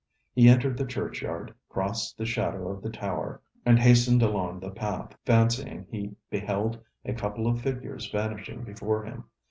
He entered the churchyard, crossed the shadow of the tower, and hastened along the path, fancying he beheld a couple of figures vanishing before him.